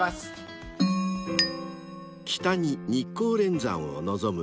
［北に日光連山を望む］